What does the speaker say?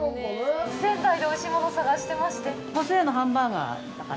仙台でおいしいものを探してまして。